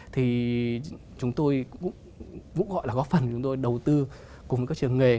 thì chúng tôi cũng gọi là góp phần chúng tôi đầu tư cùng với các trường nghề